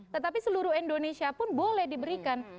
tetapi seluruh indonesia pun boleh diberikan